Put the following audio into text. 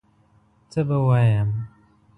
څه به ووایم